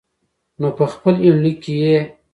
نو په خپل يونليک کې يې